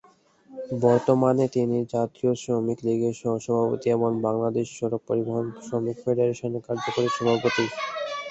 বর্তমানে তিনি জাতীয় শ্রমিক লীগের সহ-সভাপতি এবং "বাংলাদেশ সড়ক পরিবহন শ্রমিক ফেডারেশনের" কার্যকরী সভাপতি।